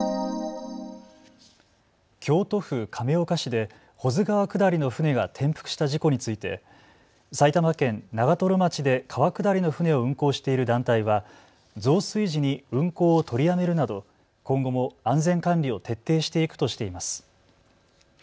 京都府亀岡市で保津川下りの舟が転覆した事故について埼玉県長瀞町で川下りの舟を運航している団体は増水時に運航を取りやめるなど今後も安全管理を徹底していくとしています。